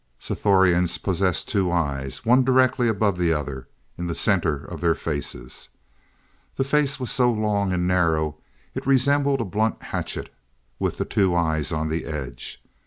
Sthorians possessed two eyes one directly above the other, in the center of their faces. The face was so long, and narrow, it resembled a blunt hatchet, with the two eyes on the edge.